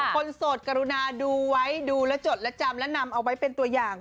โสดกรุณาดูไว้ดูและจดและจำและนำเอาไว้เป็นตัวอย่าง